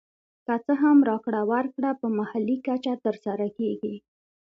که څه هم راکړه ورکړه په محلي کچه تر سره کېږي